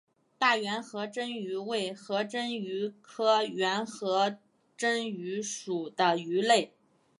大圆颌针鱼为颌针鱼科圆颌针鱼属的鱼类。